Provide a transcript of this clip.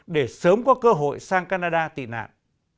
để sớm có cơ hội sang canada tị nạn